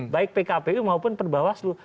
baik pkpu maupun perbawaslu